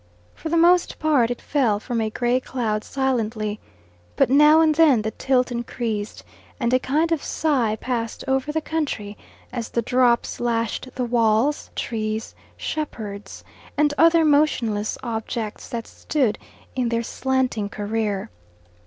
For the most part it fell from a grey cloud silently, but now and then the tilt increased, and a kind of sigh passed over the country as the drops lashed the walls, trees, shepherds, and other motionless objects that stood in their slanting career.